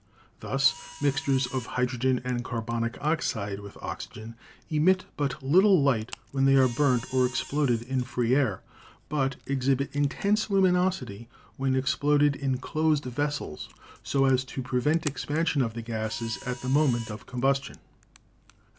Thus, mixtures of hydrogen and carbonic oxide with oxygen emit but little light when they are burnt or exploded in free air, but exhibit intense luminosity when exploded in closed vessels so as to pre vent expansion of the gases at the moment of combustion.